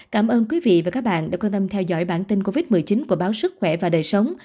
cảm ơn quý vị và các bạn đã quan tâm theo dõi bản tin covid một mươi chín của báo sức khỏe và đời sống